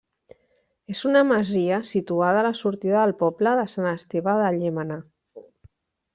És una masia situada a la sortida del poble de Sant Esteve de Llémena.